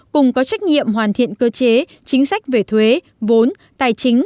cùng có trách nhiệm hoàn thiện cơ chế chính sách về thuế vốn tài chính